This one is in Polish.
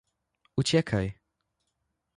Uciekaj.